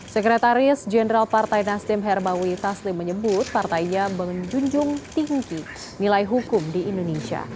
sekretaris jenderal partai nasdem herbawi taslim menyebut partainya menjunjung tinggi nilai hukum di indonesia